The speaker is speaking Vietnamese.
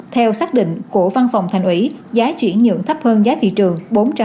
theo xác định của văn phòng thành ủy giá chuyển nhượng thấp hơn giá thị trường